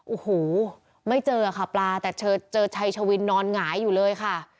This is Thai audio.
โอ้โหไม่เจอค่ะปลาแต่เจอชัยชวินนอนหงายอยู่เลยค่ะ